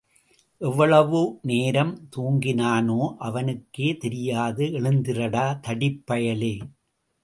எவ்வளவு நேரம் தூங்கினானோ அவனுக்கே தெரியாது எழுந்திருடா தடிப்பயலே!